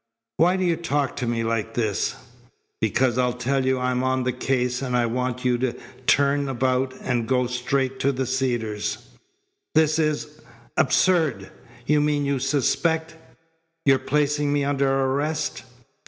"Why do you talk to me like this?" "Because I tell you I'm on the case, and I want you to turn about and go straight to the Cedars." "This is absurd. You mean you suspect You're placing me under arrest?"